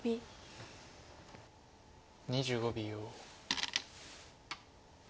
２５秒。